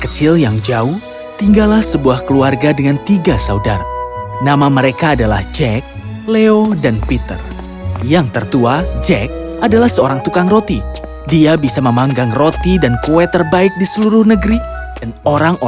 cerita dalam bahasa indonesia